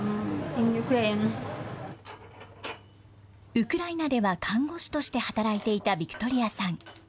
ウクライナでは看護師として働いていたヴィクトリアさん。